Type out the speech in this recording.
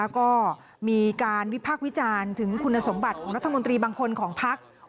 ก็มีการวิพากษ์วิจารณ์ถึงคุณสมบัติของรัฐมนตรีบางคนของพัก